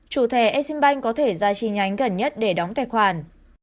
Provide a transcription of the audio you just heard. chủ thề exim bank có thể ra tri nhánh gần nhất để đóng tài khoản